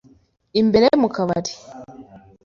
imbere mu kabari.